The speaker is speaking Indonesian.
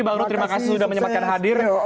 bang ru terima kasih sudah menyempatkan hadir